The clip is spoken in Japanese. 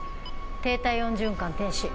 低体温循環停止。